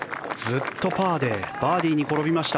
ずっとパーでバーディーに転びました。